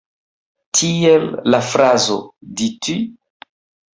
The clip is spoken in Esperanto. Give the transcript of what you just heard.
Tiel, la frazo "Dis-tu?